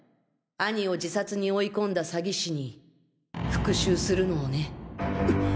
兄を自殺に追い込んだ詐欺師に復讐するのをね。